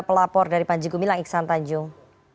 pelapor dari panji gumilang iksan tanjung